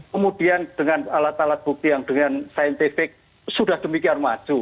kemudian dengan alat alat bukti yang dengan saintifik sudah demikian maju